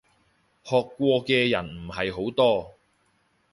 學過嘅人唔係好多